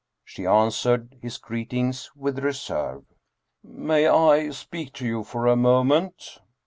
She answered his greetings with reserve. " May I speak to you for a moment